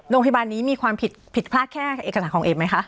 โรงพยาบาลนี้มีความผิดผิดพลาดแค่เอกสารของเอกไหมคะ